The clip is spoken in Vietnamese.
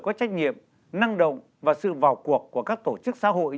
có trách nhiệm năng động và sự vào cuộc của các tổ chức xã hội